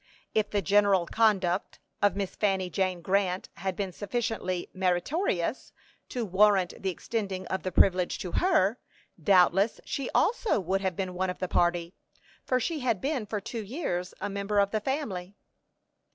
If the general conduct of Miss Fanny Jane Grant had been sufficiently meritorious to warrant the extending of the privilege to her, doubtless she also would have been one of the party, for she had been for two years a member of the family.